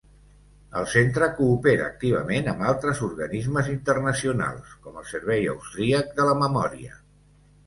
El centre coopera activament amb altres organismes internacionals, com el Servei Austríac de la Memòria.